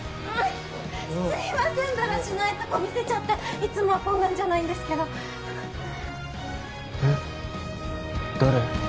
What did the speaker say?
すいませんだらしないとこ見せちゃっていつもはこんなんじゃないんですけどえっ誰？